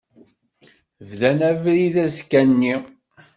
Bdan abrid azekka-nni.